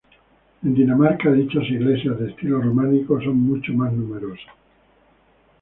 En Dinamarca dichas iglesias de estilo románico son mucho más numerosas.